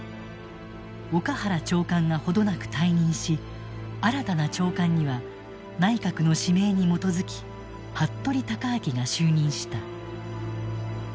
岡原長官が程なく退任し新たな長官には内閣の指名に基づき服部高顯が就任した。